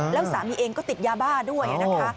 แล้วสามีเองก็ติดยาบ้าด้วยนะคะ